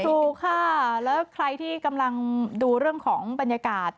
ถูกค่ะแล้วใครที่กำลังดูเรื่องของบรรยากาศ